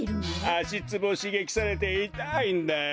あしツボをしげきされていたいんだよ。